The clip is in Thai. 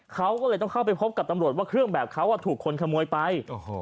เขาก็เลยต้องเข้าไปพบกับตำรวจว่าเครื่องแบบเขาถูกคนขโมยไป